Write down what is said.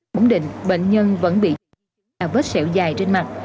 ổn định bệnh nhân vẫn bị vết sẹo dài trên mặt